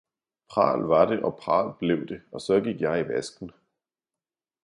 Pral var det og pral blev det og så gik jeg i vasken!